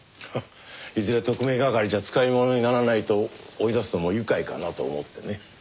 いずれ特命係じゃ使い物にならないと追い出すのも愉快かなと思ってね。